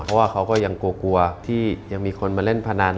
เพราะว่าเขาก็ยังกลัวที่ยังมีคนมาเล่นพนัน